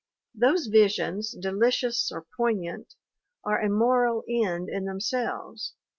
Those visions, delicious or poign ant, are a moral end in themselves.